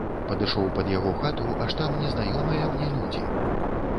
Падышоў пад яго хату, аж там незнаёмыя мне людзі.